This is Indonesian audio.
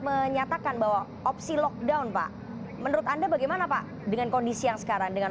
menyatakan bahwa opsi lockdown pak menurut anda bagaimana pak dengan kondisi yang sekarang dengan